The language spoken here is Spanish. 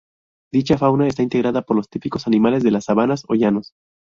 Dicha fauna está integrada por los típicos animales de las sabanas o llanos.